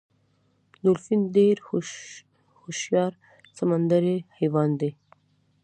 ډولفین ډیر هوښیار سمندری حیوان دی